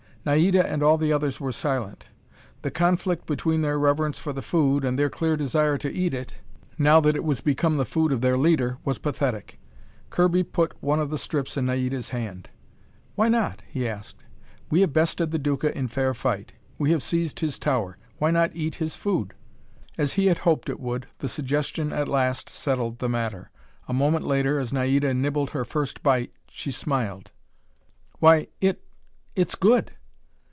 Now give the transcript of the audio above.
Naida and all the others were silent. The conflict between their reverence for the food and their clear desire to eat it, now that it was become the food of their leader, was pathetic. Kirby put one of the strips in Naida's hand. "Why not?" he asked. "We have bested the Duca in fair fight. We have seized his tower. Why not eat his food?" As he had hoped it would, the suggestion at last settled the matter. A moment later, as Naida nibbled her first bite, she smiled. "Why, it it's good!"